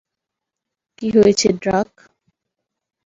কী হয়েছে, ড্রাক?